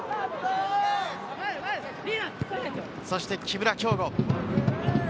そして木村匡吾。